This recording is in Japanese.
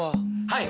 はい！